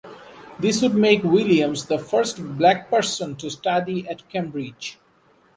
This would make Williams the first black person to study at Cambridge.